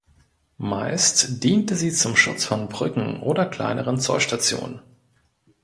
Meist diente sie zum Schutz von Brücken oder kleineren Zollstationen.